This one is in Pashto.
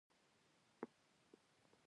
د پوهې او سواد لاس ته راوړل سنجول کیږي.